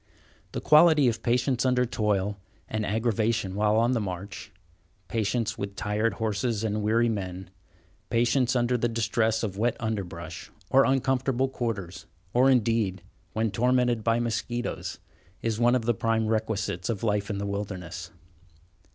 The quality of patience under toil and aggravation while on the march—patience with tired horses and weary men—patience under the distress of wet underbrush, or uncomfortable quarters, or, indeed, when tormented by mosquitoes, is one of the prime requisites of life in the wilderness.